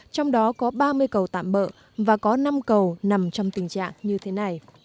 trong đó có ba mươi cầu tạm bỡ và có năm cầu nằm trong tình trạng như thế này